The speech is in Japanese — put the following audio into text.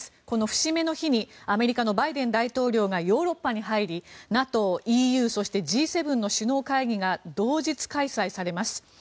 この節目の日にアメリカのバイデン大統領がヨーロッパに入りＮＡＴＯ、ＥＵそしてＧ７の首脳会議が同日開催されます。